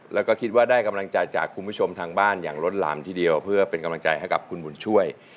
แล้วก็คิดว่าได้กำลังใจจากคุณผู้ชมทางบ้านอย่างล้นหลามทีเดียวเพื่อเป็นกำลังใจให้กับคุณบุญช่วย